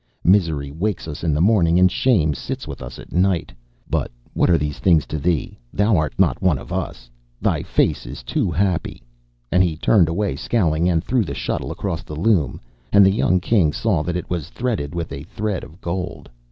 Misery wakes us in the morning, and Shame sits with us at night. But what are these things to thee? Thou art not one of us. Thy face is too happy.' And he turned away scowling, and threw the shuttle across the loom, and the young King saw that it was threaded with a thread of gold.